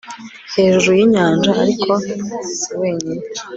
hejuru y'inyanja, ariko si wenyine